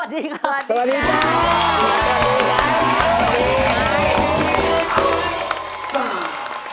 สวัสดีครับสวัสดีครับสวัสดีครับสวัสดีครับสวัสดีครับสวัสดีครับ